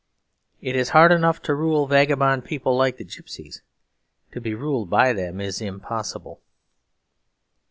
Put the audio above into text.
It is hard enough to rule vagabond people, like the gypsies. To be ruled by them is impossible.